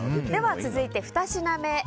では、続いて２品目。